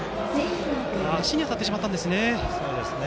足に当たってしまったんですね。